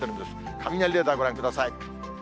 雷レーダーご覧ください。